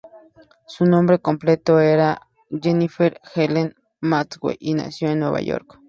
Su nombre completo era Jennifer Helene Maxwell, y nació en Nueva York.